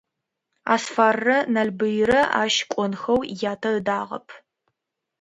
Асфаррэ Налбыйрэ ащ кӀонхэу ятэ ыдагъэп.